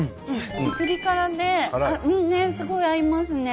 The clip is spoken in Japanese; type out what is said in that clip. ピリ辛ですごい合いますね。